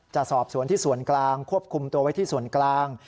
จะสอบสวนที่ส่วนกลางควบคุมตัวไว้ที่ส่วนกลาง